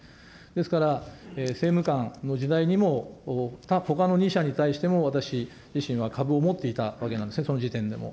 ですから、政務官の時代にもほかの２社に対しても、私自身は株を持っていたわけなんですね、その時点でも。